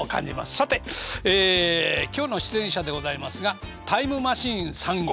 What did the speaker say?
さて今日の出演者でございますがタイムマシーン３号。